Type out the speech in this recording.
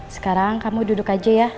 sekarang kamu duduk aja ya